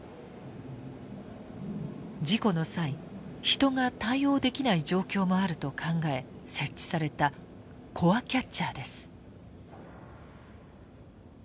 事故の際人が対応できない状況もあると考え設置されたコアキャッチャーです。